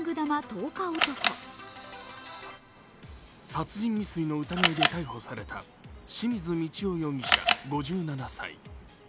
殺人未遂の疑いで逮捕された清水道夫容疑者、５７歳。